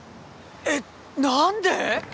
えっ何で！？